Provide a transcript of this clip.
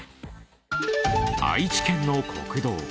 愛知県の国道。